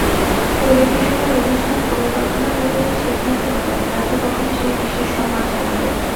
টেলিভিশনের অনুষ্ঠান পরিকল্পনাকারীরাই সিদ্ধান্ত নেবেন কাকে কখন সেই বিশেষ সম্মান জানাবেন।